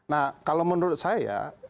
nah kalau menurut saya